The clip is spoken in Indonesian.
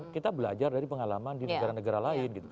kita belajar dari pengalaman di negara negara lain